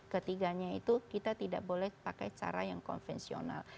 ketiganya itu kita tidak boleh pakai cara yang konvensional